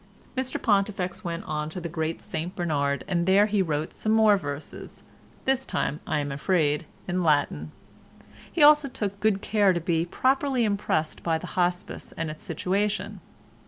Mr Pontifex went on to the Great St Bernard and there he wrote some more verses, this time I am afraid in Latin. He also took good care to be properly impressed by the Hospice and its situation.